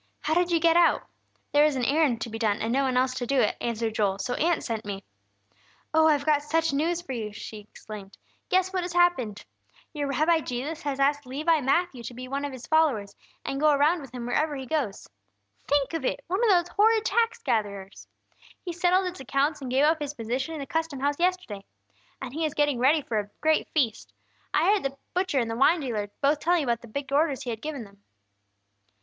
How did you get out?" "There was an errand to be done, and no one else to do it," answered Joel, "so Aunt sent me." "Oh, I've got such news for you!" she exclaimed. "Guess what has happened! Your Rabbi Jesus has asked Levi Matthew to be one of His followers, and go around with Him wherever He goes. Think of it! One of those horrid tax gatherers! He settled his accounts and gave up his position in the custom house yesterday. And he is getting ready for a great feast. I heard the butcher and the wine dealer both telling about the big orders he had given them.